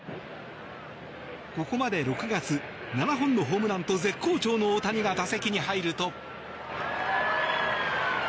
ここまで６月、７本のホームランと絶好調の大谷が打席に入ると。